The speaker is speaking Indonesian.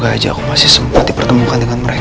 dan semoga aja aku masih sempat dipertemukan dengan mereka